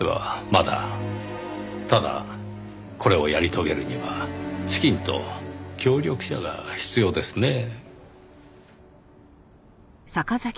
ただこれをやり遂げるには資金と協力者が必要ですねぇ。